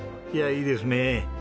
いやあいいですね。